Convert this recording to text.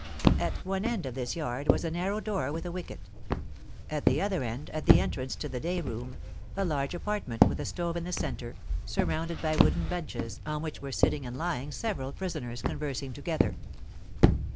At one end of this yard was a narrow door with a wicket; at the other end, at the entrance to the day room, a large apartment with a stove in the centre, surrounded by wooden benches, on which were sitting and lying several prisoners conversing together.